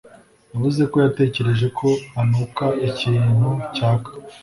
yavuze ko yatekereje ko anuka ikintu cyaka.